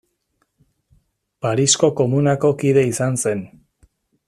Parisko Komunako kide izan zen.